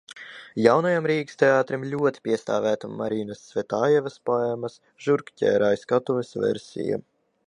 Jaunajam Rīgas teātrim ļoti piestāvētu Marinas Cvetajevas poēmas "Žurkķērājs" skatuves versija.